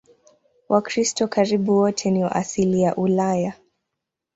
Wakristo karibu wote ni wa asili ya Ulaya.